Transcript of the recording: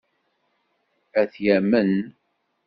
Ad t-yamen?